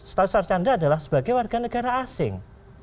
status archandra adalah sebagai warga negara asing